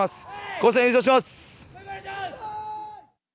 甲子園優勝します！